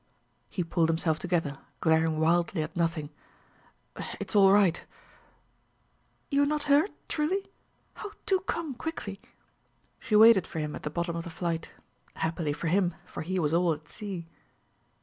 He pulled himself together, glaring wildly at nothing. "It's all right " "You're not hurt, truly? Oh, do come quickly." She waited for him at the bottom of the flight; happily for him, for he was all at sea.